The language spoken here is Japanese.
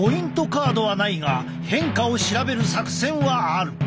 カードはないが変化を調べる作戦はある。